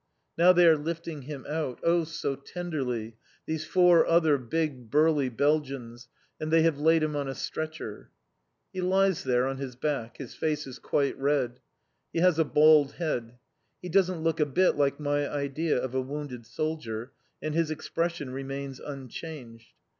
Now they are lifting him out, oh, so tenderly, these four other big, burly Belgians, and they have laid him on a stretcher. He lies there on his back. His face is quite red. He has a bald head. He doesn't look a bit like my idea of a wounded soldier, and his expression remains unchanged.